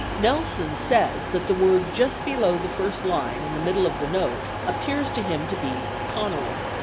45 Nelson says that the word just below the first line in the middle of the note appears to him to be "Connally."